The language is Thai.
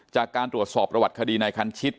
จากการตรวจสอบประวัติคดีในคันชิต